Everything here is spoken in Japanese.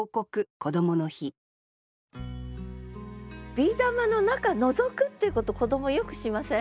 ビー玉の中のぞくっていうこと子どもよくしません？